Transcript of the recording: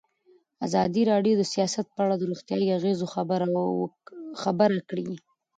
ازادي راډیو د سیاست په اړه د روغتیایي اغېزو خبره کړې.